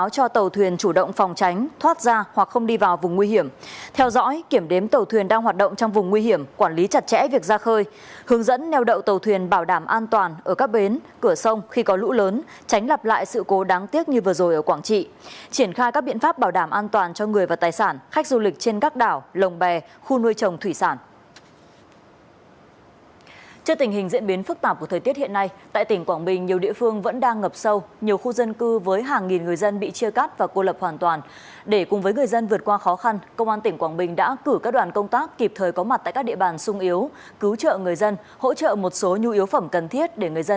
cứu trợ người dân hỗ trợ một số nhu yếu phẩm cần thiết để người dân ổn định đời sống và chống trọi với lũ lụt